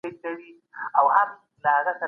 آیا پښتو یوه ږغیزه ژبه ده؟